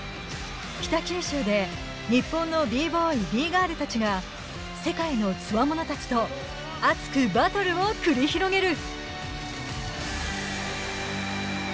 北九州で、日本のＢ−Ｂｏｙ、Ｂ−Ｇｉｒｌたちが世界のつわものたちと熱くバトルを繰り広げる！